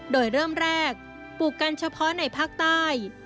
โดยเริ่มแรกปลูกกันเฉพาะในภาคใต้